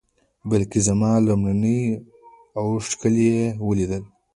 بلکې زما لومړنۍ اوښکې یې ولیدې.